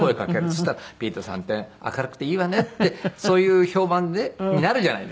そしたらピーターさんって明るくていいわねってそういう評判になるじゃないですか。